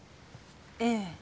ええ。